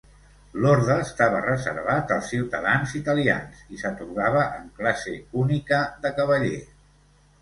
L'orde estava reservat als ciutadans italians, i s'atorgava en classe única de cavaller.